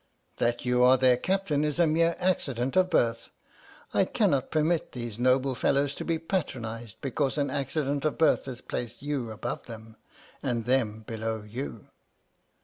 That you are their Captain is a mere accident of birth. I cannot per mit these noble fellows to be patronized because an accident of birth has placed you above them, and them below you."